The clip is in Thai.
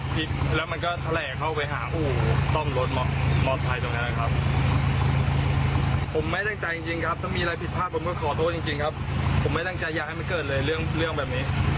พี่สาวกำลังปุก่อนภิเคยาให้ไม่เกิดเลยเหลี่ยวอย่างนี้